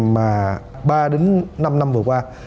mà ba đến năm năm vừa qua